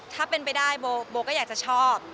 ถ้าเป็นไปได้โบก็อยากจะชอบ